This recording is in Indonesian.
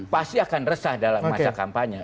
pasti akan resah dalam masa kampanye